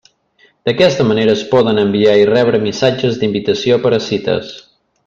D'aquesta manera es poden enviar i rebre missatges d'invitació per a cites.